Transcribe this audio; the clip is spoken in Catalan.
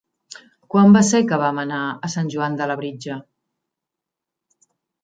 Quan va ser que vam anar a Sant Joan de Labritja?